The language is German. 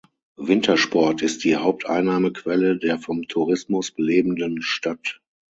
Wintersport ist die Haupteinnahmequelle der vom Tourismus lebenden Stadt.